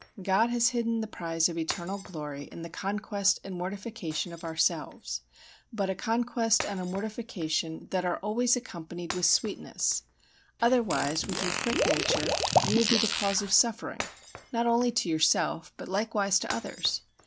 God has hidden the prize of eternal glory in the conquest and mortification of ourselves, but a conquest and a mortification that are always accompanied with sweetness; otherwise, with your quick nature you will be the cause of suffering not only to yourself but likewise to others.